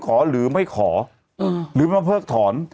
ขอหรือไม่ขอหรือมาเพิกถอน